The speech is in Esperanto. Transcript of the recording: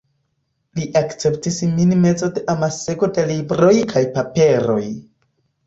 Li akceptis min meze de amasego de libroj kaj paperoj.